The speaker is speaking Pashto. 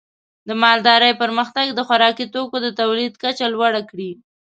د مالدارۍ پرمختګ د خوراکي توکو د تولید کچه لوړه کړې.